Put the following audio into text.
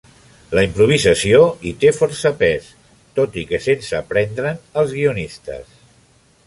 La improvisació hi té força pes, tot i que sense prendre'n als guionistes.